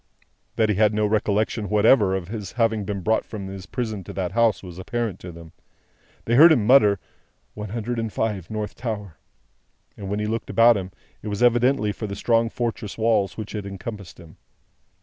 That he had no recollection whatever of his having been brought from his prison to that house, was apparent to them. They heard him mutter, "One Hundred and Five, North Tower;" and when he looked about him, it evidently was for the strong fortress walls which had long encompassed him.